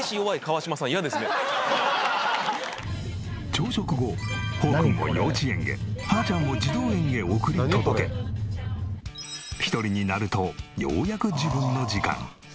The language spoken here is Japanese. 朝食後ホーくんを幼稚園へハーちゃんを児童園へ送り届け一人になるとようやく自分の時間。